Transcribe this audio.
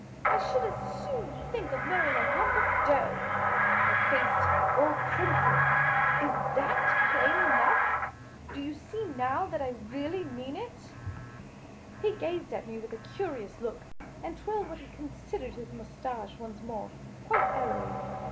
I should as soon think of marrying a lump of dough." I faced him all crimson. " Is that plain enough ? Do you see now that I really mean it ?" 232 Miss Cayley's Adventures He gazed at me with a curious look, and twiried what he considered his moustache once more, quite airil}'.